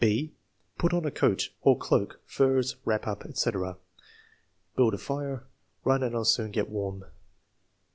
(6) "Put on a coat" (or "cloak," "furs," "wrap up," etc.). "Build a fire." "Run and I '11 soon get warm."